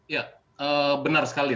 ya benar sekali